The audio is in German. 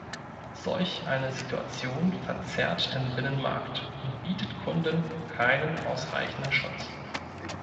Solch eine Situation verzerrt den Binnenmarkt und bietet Kunden keinen ausreichenden Schutz.